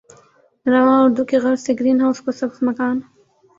رواں اردو کی غرض سے گرین ہاؤس کو سبز مکان